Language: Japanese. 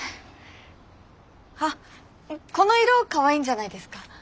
あっこの色かわいいんじゃないですか。